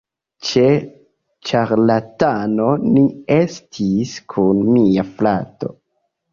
Ĉe ĉarlatano ni estis kun mia frato